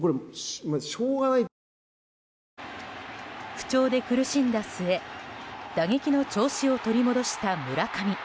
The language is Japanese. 不調で苦しんだ末打撃の調子を取り戻した村上。